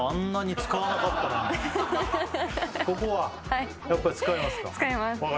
おおここはやっぱり使いますか？